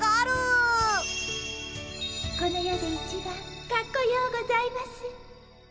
この世で一番かっこようございます。